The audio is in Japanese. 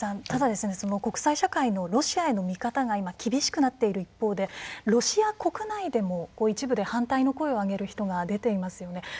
ただ、国際社会のロシアへの見方が厳しくなっている一方でロシア国内でも一部で反対の声を上げる人が出ていますよね。